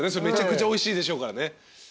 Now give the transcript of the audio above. めちゃくちゃおいしいでしょうからね。